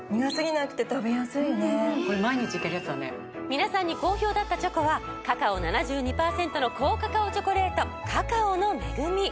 皆さんに好評だったチョコはカカオ７２％の高カカオチョコレート「カカオの恵み」。